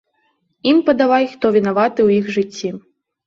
Ім падавай, хто вінаваты ў іх жыцці.